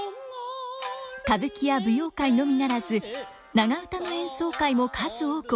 歌舞伎や舞踊界のみならず長唄の演奏会も数多く行い